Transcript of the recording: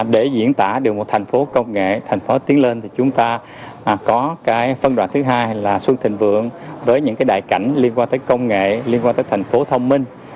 để diễn tả được một thành phố công nghệ thành phố tiến lên thì chúng ta có cái phân đoạn thứ hai là xuân thịnh vượng với những cái đại cảnh liên quan tới công nghệ liên quan tới thành phố thông minh